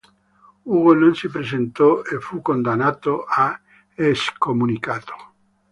Ugo non si presentò e fu condannato e scomunicato.